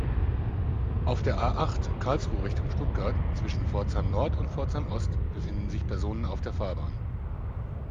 Auf der A-acht, Karlsruhe Richtung Stuttgart, zwischen Pforzheim-Nord und Pforzheim-Ost befinden sich Personen auf der Fahrbahn.